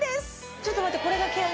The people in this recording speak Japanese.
ちょっと待ってこれが毛穴？